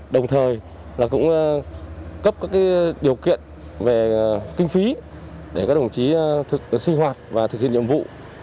đồng thời cũng cấp các điều kiện về kinh phí để các đồng chí thực sinh hoạt và thực hiện nhiệm vụ